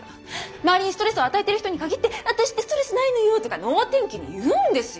周りにストレスを与えている人に限って「私ってストレスないのよ」とか脳天気に言うんですよ。